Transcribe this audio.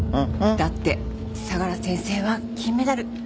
だって相良先生は金メダル。